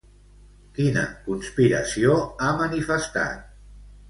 Quina conspiració ha manifestat?